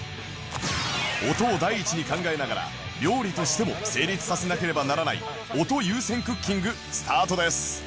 音を第一に考えながら料理としても成立させなければならない音優先クッキングスタートです